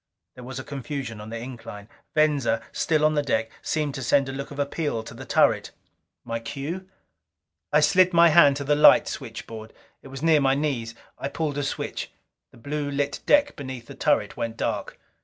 There was a confusion on the incline. Venza, still on the deck, seemed to send a look of appeal to the turret. My cue? I slid my hand to the light switchboard. It was near my knees. I pulled a switch. The blue lit deck beneath the turret went dark.